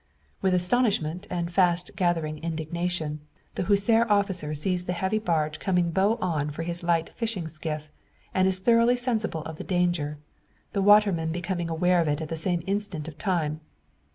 With astonishment, and fast gathering indignation, the Hussar officer sees the heavy barge coming bow on for his light fishing skiff, and is thoroughly sensible of the danger; the waterman becoming aware of it at the same instant of time.